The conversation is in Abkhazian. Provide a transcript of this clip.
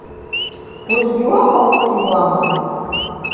Уажәгьы уаҟа аус иуама?